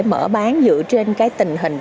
mở bán dựa trên cái tình hình